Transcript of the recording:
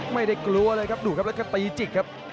ไม่ได้กลัวเลยครับดูครับแล้วก็ตีจิกครับ